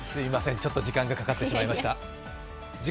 ちょっと時間がかかってしまいました。